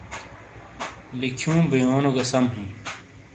لکھیوں بئیونو گہ سم ہیں۔